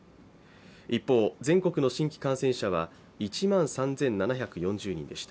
一方、全国の新規感染者は１万３７４０人でした。